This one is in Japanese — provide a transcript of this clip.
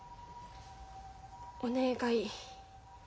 お願い。